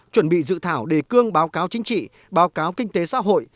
chuẩn bị dự thảo đề cương báo cáo chính trị báo cáo kinh tế xã hội